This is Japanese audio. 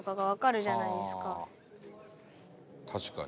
「確かに」